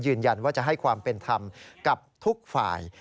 ยืนยันว่าจะให้ความเป็นธรรมกับทุกฝ่าย